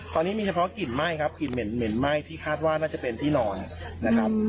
ตอนนี้มีเฉพาะกลิ่นไหม้ครับกลิ่นเหม็นไหม้ที่คาดว่าน่าจะเป็นที่นอนนะครับ